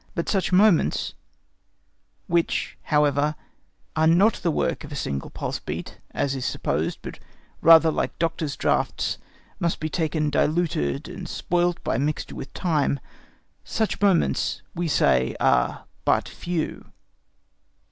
But such moments, which, however, are not the work of a single pulse beat, as is supposed, but rather like doctors' draughts, must be taken diluted and spoilt by mixture with time—such moments, we say, are but few.